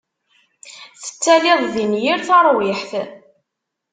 Tettalid din yir tariḥt.